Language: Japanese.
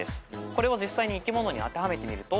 これを実際に生き物に当てはめてみると。